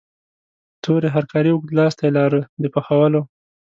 تورې هرکارې اوږد لاستی لاره د پخولو.